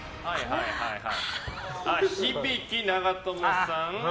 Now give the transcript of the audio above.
響・長友さん。